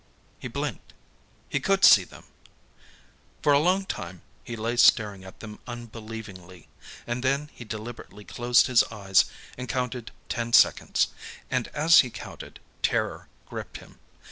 He blinked. He could see them! For a long time, he lay staring at them unbelievingly, and then he deliberately closed his eyes and counted ten seconds, and as he counted, terror gripped him.